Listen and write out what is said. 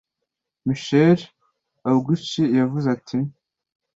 Michael Angucia yaravuze ati